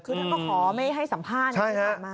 คือท่านก็ขอไม่ให้สัมภาษณ์ที่ผ่านมา